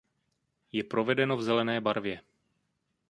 Je provedeno v zelené barvě.